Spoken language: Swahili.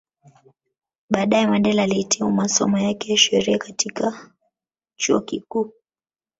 Baadae Mandela alihitimu masomo yake ya sheria katika Katika chuo kikuu